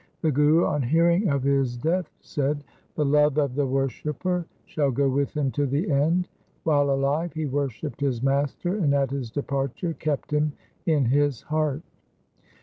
The Guru on hearing of his death, said :— The love of the worshipper shall go with him to the end. While alive he worshipped his Master, and at his departure kept Him in his heart.